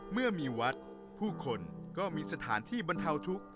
เมื่อมีวัดผู้คนก็มีสถานที่บรรเทาทุกข์